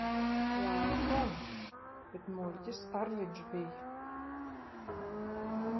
Žēl gan. Bet muļķis ar viņš bij.